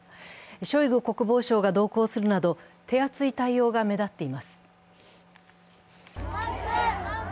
ショイグ国防相が同行するなど手厚い対応が目立っています。